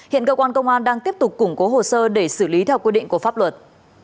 hiện cơ quan công an đang tiếp tục củng cố hồ sơ để xử lý theo quy định của pháp luật